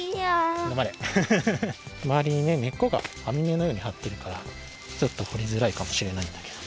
まわりにね根っこがあみめのようにはってるからちょっとほりづらいかもしれないんだけど。